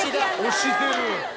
推してる。